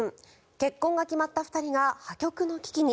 結婚が決まった２人が破局の危機に。